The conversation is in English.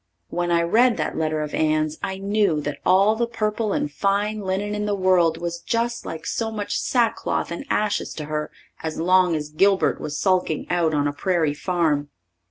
When I read that letter of Anne's, I knew that all the purple and fine linen in the world was just like so much sackcloth and ashes to her as long as Gilbert was sulking out on a prairie farm.